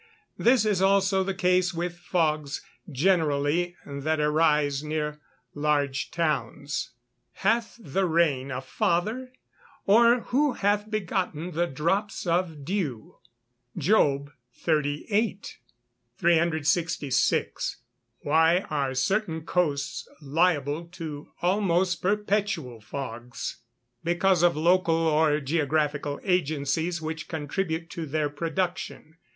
This is also the case with fogs generally that arise near large towns. [Verse: "Hath the rain a father? or who hath begotten the drops of dew?" JOB XXXVIII.] 366. Why are certain coasts liable to almost perpetual fogs? Because of local or geographical agencies which contribute to their production.